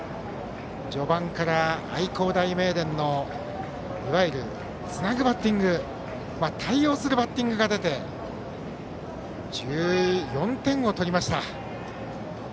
序盤から愛工大名電のいわゆるつなぐバッティング対応するバッティングが出て１４点を取りました。